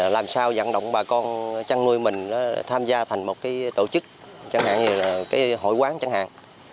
làm sao dẫn động bà con chăn nuôi mình tham gia thành một tổ chức chẳng hạn là hội quán chẳng hạn